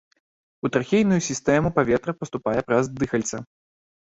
У трахейную сістэму паветра паступае праз дыхальца.